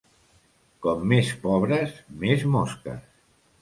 Com més pobres, més mosques.